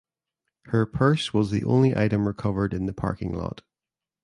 Her purse was the only item recovered in the parking lot.